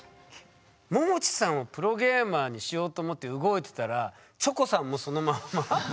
ももちさんをプロゲーマーにしようと思って動いてたらチョコさんもそのまんま？